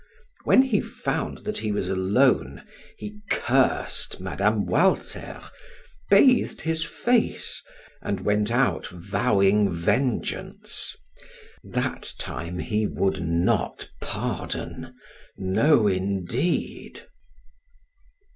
When he found that he was alone, he cursed Mme. Walter, bathed his face, and went out vowing vengeance. That time he would not pardon. No, indeed.